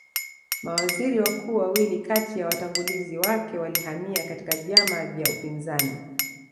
Mawaziri wakuu wawili kati ya watangulizi wake walihamia katika vyama vya upinzani